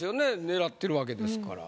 狙ってるわけですから。